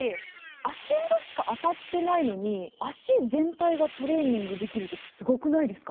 足裏しか当たってないのに足裏以外をトレーニングできるってすごくないですか。